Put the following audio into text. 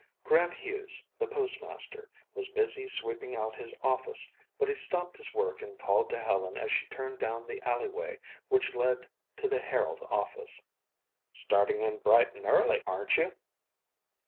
Grant Hughes, the postmaster, was busy sweeping out his office but he stopped his work and called to Helen as she turned down the alley way which led to the Herald office. "Starting in bright and early, aren't you?"